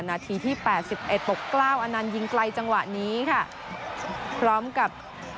นาทีที่แปดสิบเอ็ดปกเกล้าอนันต์ยิงไกลจังหวะนี้ค่ะพร้อมกับ